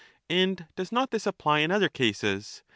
And does not this apply in other cases?